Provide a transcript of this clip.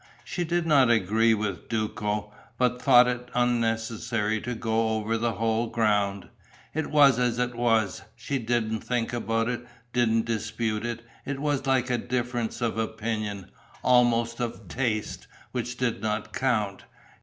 She did not agree with Duco, but thought it unnecessary to go over the whole ground: it was as it was, she didn't think about it, didn't dispute it; it was like a difference of opinion, almost of taste, which did not count.